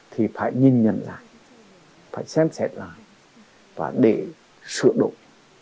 thì phải nhìn nhận lại phải xem xét lại và để sửa đổi